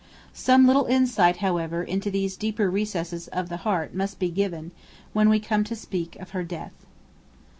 Some little insight, however, into these deeper recesses of the heart must be given, when we come to speak of her death.